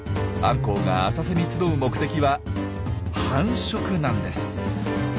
アンコウが浅瀬に集う目的は繁殖なんです。